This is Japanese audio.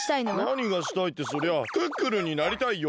なにがしたいってそりゃクックルンになりたいよ。